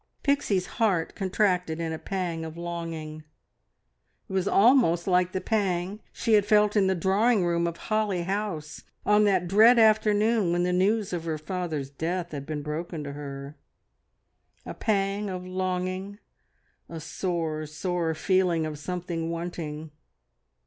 Pixie's heart contracted in a pang of longing; it was almost like the pang she had felt in the drawing room of Holly House on that dread afternoon when the news of her father's death had been broken to her a pang of longing, a sore, sore feeling of something wanting.